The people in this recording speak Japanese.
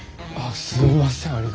あっすいません。